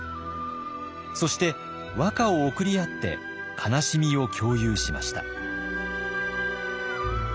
そして和歌を贈り合って悲しみを共有しました。